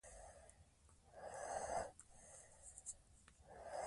لوستې میندې د ماشومانو د خوړو خراب بوی ته پام کوي.